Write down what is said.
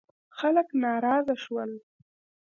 خلک ناراضه شول.